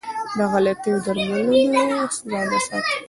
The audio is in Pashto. له غلطو درملنو ځان وساته.